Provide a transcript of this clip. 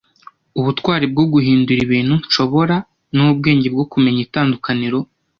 ubutwari bwo guhindura ibintu nshobora, n'ubwenge bwo kumenya itandukaniro